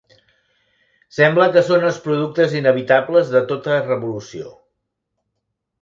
Sembla que són els productes inevitables de tota revolució.